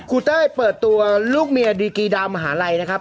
เต้ยเปิดตัวลูกเมียดีกีดาวมหาลัยนะครับ